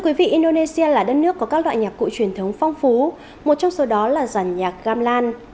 quý vị indonesia là đất nước có các loại nhạc cụ truyền thống phong phú một trong số đó là giàn nhạc gamlan